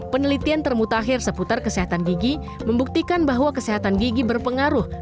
penelitian termutakhir seputar kesehatan gigi membuktikan bahwa kesehatan gigi berpengaruh